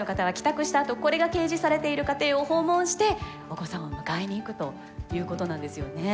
あとこれが掲示されている家庭を訪問してお子さんを迎えに行くということなんですよね。